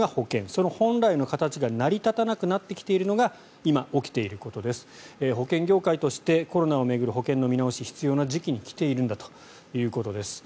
その本来の形が成り立たなくなってきているのが今、起きていることです保険業界としてコロナを巡る保険の見直し必要な時期に来ているんだということです。